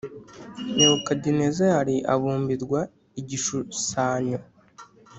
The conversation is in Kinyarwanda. nebukadinezari abumbirwa igishusanyo